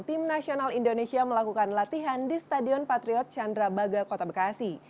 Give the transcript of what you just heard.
tim nasional indonesia melakukan latihan di stadion patriot candrabaga kota bekasi